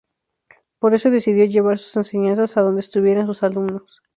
Por eso decidió llevar sus enseñanzas a donde estuvieran sus alumnos.